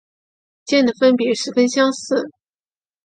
间的分别十分相似。